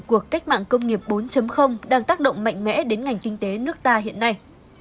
cuộc cách mạng công nghiệp bốn đang tác động mạnh mẽ đến ngành kinh tế nước ta hiện nay